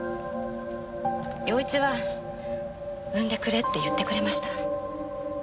陽一は「産んでくれ」って言ってくれました。